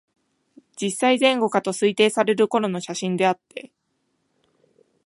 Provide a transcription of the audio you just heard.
十歳前後かと推定される頃の写真であって、